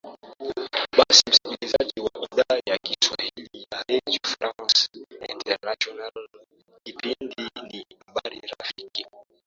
basi msikilizaji wa idhaa ya kiswahili ya redio france international kipindi ni habari rafiki